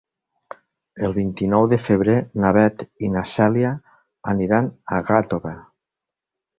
El vint-i-nou de febrer na Beth i na Cèlia aniran a Gàtova.